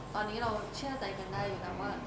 ตอนนี้เราเชื่อใจกันได้อยู่แล้วว่า